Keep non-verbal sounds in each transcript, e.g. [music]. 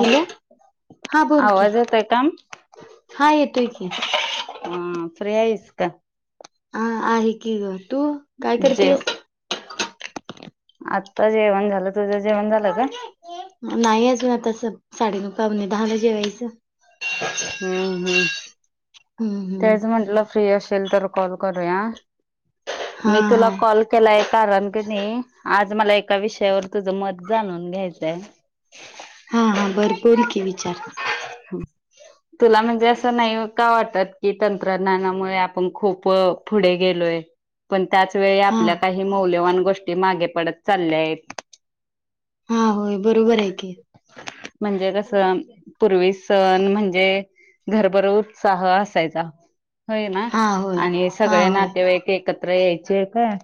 Hello. हा बोल की आवाज येतोय का हा बोल की. हा फ्री हायस का? हा आहे की ग तू काय करतेस? आता जेवण झालं तुझ जेवण झालं का? नाही अजून आता स साडेनऊ पाव्हने दहा ला जेवायचं. हम्म हम्म हम्म हम्म तेच म्हटलं फ्री अस अशील तर कॉल करूया हा मी तुला हा कॉल केलाय कारण की नाही. आज मला एका विषयावर तुझं मत जाणून घ्यायचंय. हा हा बार बोल की विचार. तुला म्हणजे असं नाही का वाटत की तंत्रज्ञानामुळे आपण खूप पुढे गेलो लोय पण त्याच वेळी हा आपल्या काही मौल्यवान गोष्टी मागे पडत चालल्या आहेत. हा होय बरोबर आहे की. म्हणजे कस पूर्वी सण म्हणजे म्हणजे घरभरो उत्साह असायचा. होय ना हा होय आणि हा सगळे होय नातेवाईक एकत्र यायचे काय.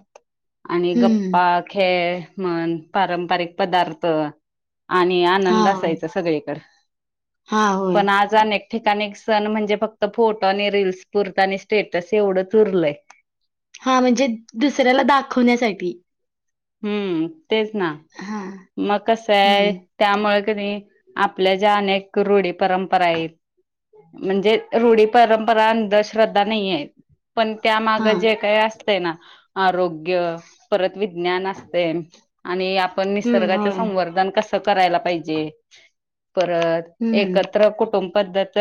आणि हम्म गप्पा खेळ म्हन पारंपरिक पदार्थ, आणि हा आनंद होय असायच सगळीकड. हा होय. एक ठिकान एक सण म्हणजे फक्त फोटो आणि रीलस पुरत आणि स्टेटस एवढंच उरलय. हा म्हणजे दुसऱ्याला दाखवण्यासाठी. हम्म तेच ना हा मग कस आहे हम्म त्यामुळे क नाही आपल्या ज्या अनेक रूढी परंपरा आहेत. म्हणजे रूढी परंपरा अंधश्रद्धा नाही आहेत. पण त्यामाग हा जे काही असतं ना आरोग्य परत ज्ञान असतंय आणि आपण आपण हम्म निसर्गाच होय संवर्धन कस करायला पाहिजे परत हम्म एकत्र कुटुंब पद्धत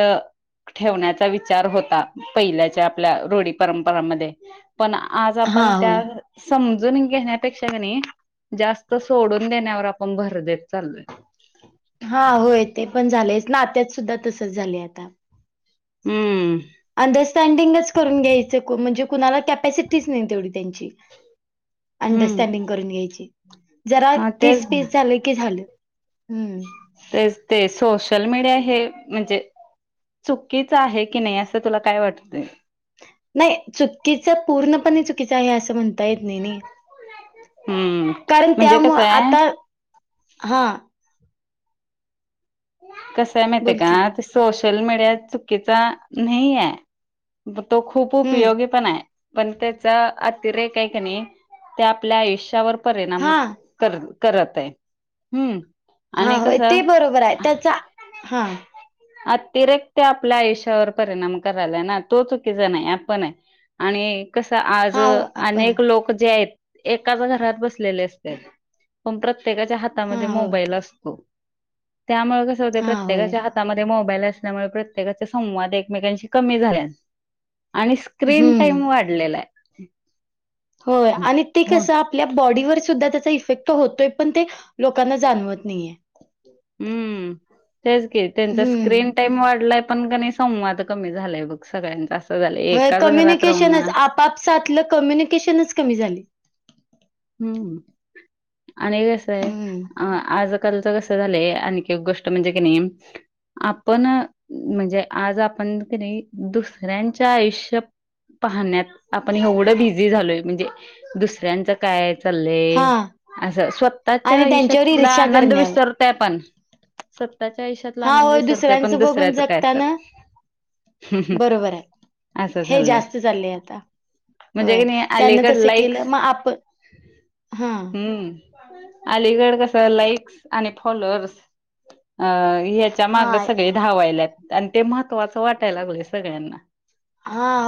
ठेवण्याचा विचार होता पहिल्याच्या आपल्या रूढी परंपरामध्ये पण आज हा आपण होय त्या समजून घेण्यात त्यापेक्षा की नाही जास्त सोडून देण्यावर आपण भर देतो हा होय ते पण झालेयच नात्यात सुद्धा तसच झाले आता हम्म अंडरस्टँडिंगच करून घ्यायचं म्हणजे कुणाला कॅपॅसिटीच नाही तेवढी त्यांची हम्म अंडरस्टँडिंग करून घ्यायची जरा हा ते तेच ना स्पेस झालं की झालं हम्म ते ते सोशल मीडिया हे म्हणजे चुकीच आहे की नाही असं तुला काय वाटतय नाही चुकीचं पूर्णपणे चुकीचं आहे असं म्हणता येत नाही हम्म कारण म्हणजे त्यामुळ कसं आहे आता हा कसय माहिितय बोल का की ते सोशल मीडिया चुकीचा नाही आहे तो खूप हम्म. उपयोगी पण आहे पण त्याचा अतिरेक आहे क नाही ते आपल्या आयुष्यावर परिणाम हा करत करत आहे हम्म हा आणि होय कसं ते बरोबर आहे त्याचा हा अतिरेकत आपल्या आयुष्यावर परिणाम करायलाय ना तो चुकीचा नाही आपण आहे आणि कस आज हा हो आपण अनेक लोक जे आहेत एकाच घरात बसलेले असते पण प्रत्येकाच्या हा हातामध्ये हो मोबाईल असतो त्यामुळे कसं होते हा होय. प्रत्येकाच्या हातामध्ये मो मोबाल असल्यामुळे प्रत्येकाचे संवाद एकमेकांशी कमी झाले आणि स्क्रीन हम्म. टाइम वाढलेला आहे होय आणि ते हो कस आपल्या बॉडीवर सुध्दा त्याचा इफेक्ट होतोय पण ते लोकांना जाणवत नाहीय हम्म तेच की त्यांचा हम्म. स्क्रीन टाइम वाढला पण किनाही संवाद कमी झालाय बघ सगळ्यांचा झालं होय एकाच घरात राहून ना कम्युनिकेशनच आपापसातलं कम्युनिकेशनच कमी झालीत हम्म आणि कस आहे हम्म. अ आज लोकांचं कस झालंय आणखी एक गोष्ट म्हणजे की नाही आपण म्हणजे आज आपण की नाही दुसऱ्यांच्या आयुष्यात पाहण्यात आपण एवढं बिझी झालोय म्हणजे दुसऱ्यांचा काय चालय हा अस स्वतः स्वतःच्या आणि त्यांच्यावर आयुष्यातला ईर्ष्या आनंद करण्यावर विसरतोय आपण स्वतःच्या आयुष्यातला हा आनंद होय विसरतोय पण दुसऱ्यांचं बघून दुसऱ्याचं काय जगताना चालय. बरोबर आहे हे चाललंय जास्त चाललेय आता म्हणजे की होय नाही त्यांना अलीकड तस केलं लाईक्स मग आपण हा हम्म अलीकड कस. लाईक्स आणि फॉलोअर्स याच्या माग हा सगळे धावायलेत. ते महत्त्वाचं वाटायला लागलेय सगळ्यांना हा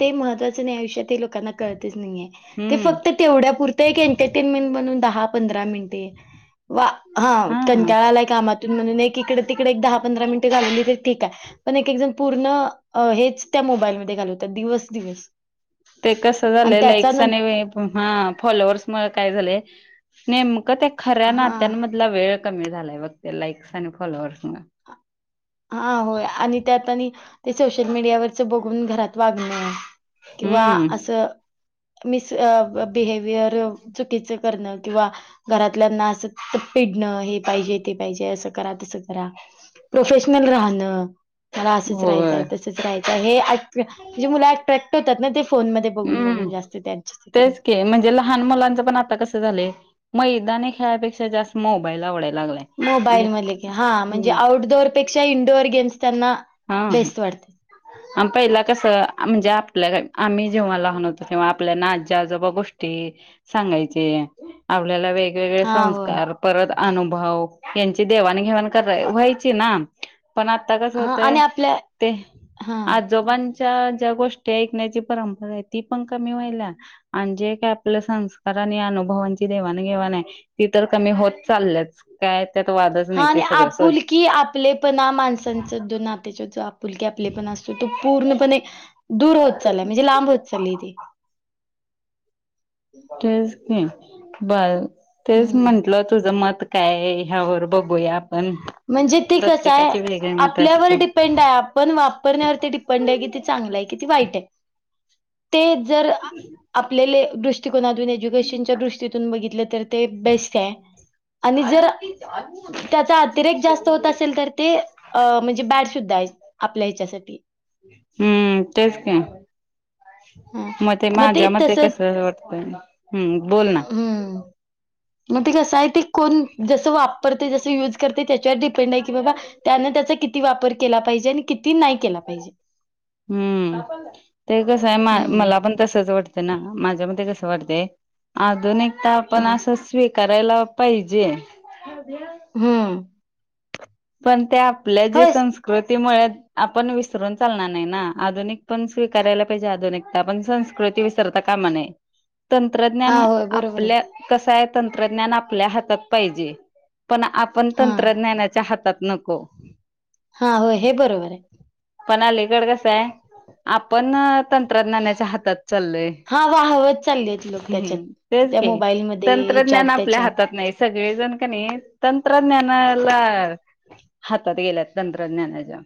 ते महत्त्वाचं नाही आयुष्यात ते पण लोकांना कळतच नाही आहे हम्म की तेवढ्या पूर्त इंटरटेन्मेंट म्हणून दहा पंधरा मिनिटं तेच वा हा कंटाळा आलाय कामातून म्हणून एक इकडे तिकडे एक दहा पंधरा मिनटं घालवली तर ठीक आहे अनेक जण पूर्ण हेच त्या मोबाईल मध्ये घालवतात दिवस दिवस ते कसं झालंय लाईक्स आणि हे हा फॉलोवर्स मुळ काय झालंय नेमकं ते खऱ्या हां, नात्यांमधला वेळ कमी झालाय बघ त्या लाईक्स आणि फॉलोअर्स हा होय आणि ते आतानी ते सोशल मीडियावरच बघून घरात वागणं. किंवा हम्म असं. बयर चुकीचण किंवा घरातल्या हे ते पाहिजे असं करा तस करा. होय असचय. ब बून हम्म जात. तेच के म्हणजे लहान मुलांच पण आता कसं झालं मैदानी खेळापेक्षा जास्त मोबाईल आवडत. मोबाईल म क हा म्हणजे आउटडोअरपेक्षा इंडोअर गेम्स त्यांना हा बेस्ट वाटते. आम पहिला कस म्हणजे आपल्या आम्ही जेव्हा लहान होतो तें्हा आपल्या ना्याजोबा गोष्टी सांगायचे आपल्याला वेग वेगवेगळे हा हो संस्कार परत अनुभव यांची देवाणघेवाण करा व्हायची ना. पण आता कस हा होतय आणि आपल्या ते हा आज जो पण गोष्टी ऐण्याची परपरा आहे ती पण क व्हा का आप संकार अनुभवांची देवाण घेवाण ती तर कमी होत चालल काय? त्यात वादच हा नाही ते आणि सगळं आपुलकीी आपले पण माणसांचा दो नाते्याच्या जो फुलके आपले पण असतो तो पूर्णपणे दूर होत चाललाय म्हणजे लांब होत चालली इथे. तेच क ब तेच हम्म. म्हंटलं तुझं मत काय ह्या होर बघूया. आपण म्हणजे ते कसं आहे. प्रत्येकाची वेगळी मत आपल्यावर असत डिपेंड आहे आपण वापरण्यावर ते डिपेंड आहे कि ते चांगलं आहे कि ज आप दृ ु दृष्टी बघित तर ब आणि ज त्याचा अतिरेक जास्त होत असेल तर ते म्हणजे बॅड सुद्धा आहे आपल्या ह्याच्यासाठी हम्म तेच का? हा म ते मग माझ्या म ते तसं कस वाटत हम्म बोल ना. हम्म मग ते कसं आहे ते कोण जस वापरते जस यूज करते. त्याच्यावर डिपेंड आहे की बाबा त्यान त्याचा किती वापर केला पाहिजे आणि नाही केला पाहिजे. हम्म ते कसं आहे हम्म मला पण तसच वाटतं ना माझ्या मध्ये कस? आधुनिक तर आपण हम्म असं स्वीकारायला पाहिजे. हम्म, पण ते आपल्या जे होयच संस्कृती मुळे आपण विसरून चालणार नाही ना, आधुनिक पण स्वीकारायला पाहिजे आधुनिकता पण संस्कृत ते विसरता कामा नये. हा तंत्रज्ञान होय बरोबर आहे आपल्या की कसं आहे, तंत्रज्ञान आपल्या हातात पाहिजे. पण आपण हा तंत्रज्ञानाच्या हातात नको. हा होय, हे बरोबर आहे. पण अलीकड कसं आहे, आपण तंत्रज्ञानाच्या हातात चालोय. हा वाहवत चाललेत लोक त्याच्यात हम, तेच त्या की मोबाईलमध्ये ह्याच्यात तंत्रज्ञान आपल्या त्याच्यात हातात नाही सगळेजण किनइ तंत्रज्ञानाला हातात गेल्यात तंत्रज्ञानाच्या.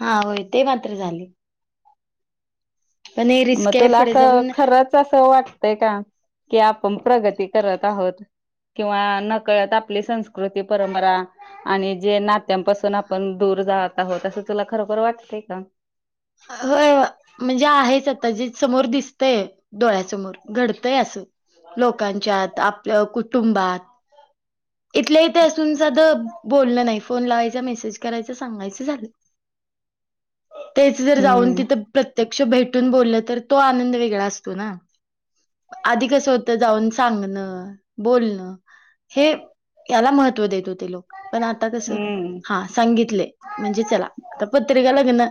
हा होय ते मात्र झाले पण हे मग, रिस्क आहे तुला पुढे असं जाऊन खरंच असं वाटतंय का? की आपण प्रगती करत आहोत. किंवा नकळत आपली संस्कृती परंपरा आणि जे नात्यांपासून आपण दूर ात आहोत असं तुला खरोखर वाटतय का? हो. म्हणजे आहेच आता जे समोर दिसतय डोळ्यासमोर घडतय असं. लोकांच्यात आपल्या कुटुंबात इथल्या इथे असून साध बोलण नाही फोन लावायचा मेसेज करायचा सांगायचं झालं. तेच जाऊन हम्म तिथ प्रत्यक्ष भेटून बोलल तर तो आनंद वेगळा असतो ना. आधी कसं होत, जाऊन सांगणं बोलणं हे याला महत्त्व देत होत तीत लोक पण आता कसं, हम्म हा सांगितले म्हणजे चला आ पत्रिका लग्न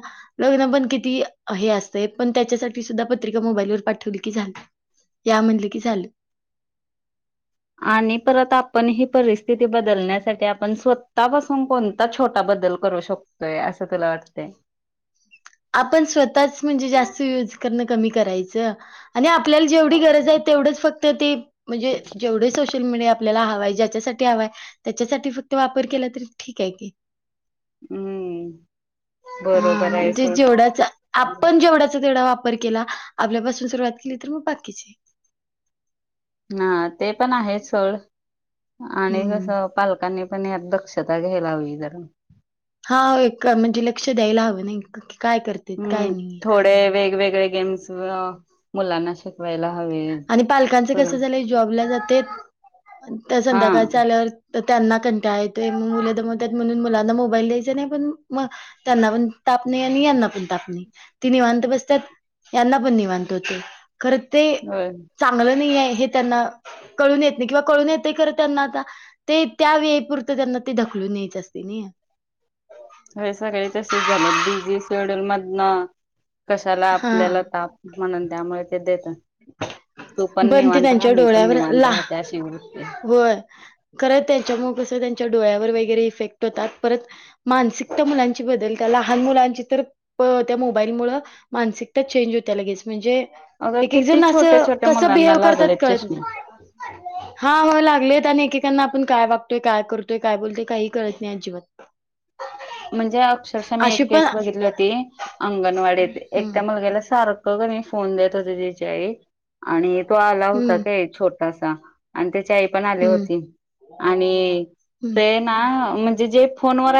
लग्न पण किती हे असतंय, पण त्याच्यासाठी सुद्धा पत्रिका मोबाईल वर पाठवली की झाल. या म्हटलं की झालं. [inaudible] आणि परत आपण ही परिस्थिती बदलण्यासाठी आपण स्वतः बसून कोणता छोटा ब बदल करू शकतोय, असं तुला वाटतयं? आपण स्वतःच म्हणजे जास्त यूज करण कमी करायचं आणि आप ल्याला जेवढी गरज आहे, तेवढंच फक्त ते म्हणजे जेवढे सोशल मीडिया आपल्याला हवाय ज्याच्या साठी हवाय त्याच्या साठी फक्त वापर केला तरी ठीक आहे की. हम्म, हा, बरोबर आहे म्हणजे सोड जेवढाच आपण जेवढाच तेवढं वापर वापर केला आपल्यापासून सुरुवात केली तर, मग बाकीचे हा ते, पण आहे सोड आणि कस हं. पालकांनी पण या दक्षता घ्यायला ह जर हा, [unintelligible] म्हणजे लक्ष द्यायला हवे नाही का? काय करतेत काय हम्म, नाही. थोडे वेगवेगळे गेम्स मुलांना शिकवायला. हवे आणि पालकांच करून कसं झालयं जॉबला जातेत हा संध्याकाळचं आल्यावर तर त्यांना कंटाळा येतोय, मग मुलं दमवत्यात म्हणून मुलांना मोबाईल द्यायचा नाही पण मग त्यांना पण ताप नाही, आणि यांना पण ताप नाही ती निवांत बसतात यांना पण निवांत होतय. खरं ते होय चांगलं नाही आहे, हे त्यांना कळून येत नाही, किंवा कळून येतय खर त्यांना आता ते त्या वेळेपुरतं त्यांना ते ढकलून न्यायच असते नाही. होय, सगळे तसेच झालेत बिझी शेड्युल मधनं कशाला हा आपल्याला ताप म्हणून, त्यामुळे ते देतात. तू पण ते निवांत राहा त्यांच्या मी पण डोळ्यावर निवांत ला राहते, अशी वृत्ती आहे. होय खरं त्याच्यामुळे कसं त्यांनी डोळ्यावर वगैरे इफेक्ट होतात, परत मानसिकता मुलांची बदलत्या लहान मुलांची तर त्या मोबाईल मुळ मानसिकता चेंज होत्या, लगेच म्हणजे अगं एक किती एकजण असं छोट्या छोट्या कसं मुलांना बिहेव करतात, लागलेत कळत नाही. चष्मे हा होय, लागलेत आणि एकेकांना आपण काय वागतोय, काय करतोय काय बोलतोय काही कळत नाही अजिबात. म्हणजे अक्षरशः मी अशी एक पण केस बघितली होती अंगणवाडीत एक हम्म त्या मुलग्याला सार फोन देत हो ज्याई आणि तो आला होता हम्म काय छट त आणि आ पण आ हम्म होती आणि हम्म ते ना म्हणजे जे फोन व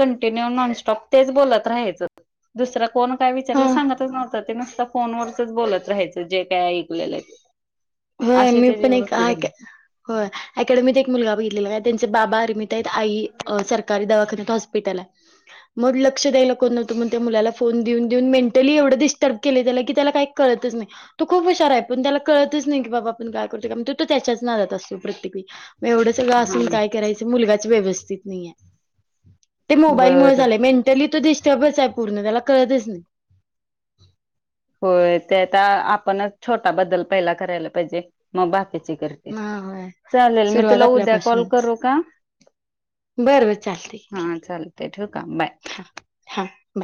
कंटिन्य नॉनस्ॉपच बत राहाु फोन काय हा विचारलं सांगतच नव्हतं ते नुसता फोनवरचच बोलत राहायचं जे काय ऐकलेलं आहे ते हो अशी मी प त्याची नाही वृत्ती काय का झाली हो अकड मत एक मुलगा बघितलेला आहे त्यांचे बाबा अरमित आहेत आई अ सरकारी दवाखान्यात हॉस्पिटल आहे मग लक्ष द्यायला कोण नव्हत म्हणून, त्या मुलाला फोन देऊन देऊन मेंटली एवढं डिस्टर्ब केलय की त्याला कळत कळतचं नाही तो खुप हुशार आहे, पण त्याला कळत नाही की बा आपण काय करतोय, म तो त्याच्याच नादात असतो प्रत्येक वेळी एवढं सगळं असून हा काय करायचं मुलागा चं व्यवस्थित नाही आहे, ते मोबाईल मुळे बर झालयं मेंटली तो डिस्टर्बचं आहे पुर्ण त्याला कळतचं नाही. होय ते आता आपणच छोटा बदल पहिला करायला पाहिजे, मग बाकी हा होय चालेल मी सुरुवात तुला उद्या कॉल आपल्यापासूनच करू का बरं बर चालतंय हा ठीक आहे चालते ठूक आम बाय ब